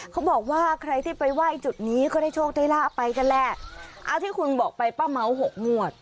เขาบอกว่าใครที่ไปไหว้จุดนี้ก็ได้โชคได้ลาบไปกันแหละเอาที่คุณบอกไปป้าเม้าหกงวด